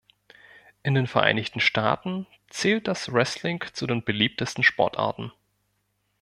In den Vereinigten Staaten zählt das Wrestling zu den beliebtesten Sportarten.